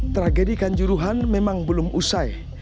tragedi kanjuruhan memang belum usai